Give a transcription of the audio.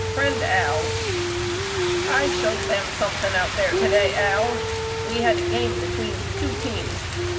FRIEND AL: I showed them something out there to day Al. We had a game between two teams.